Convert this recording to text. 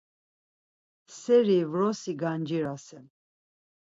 Seri vrosi gancirasen…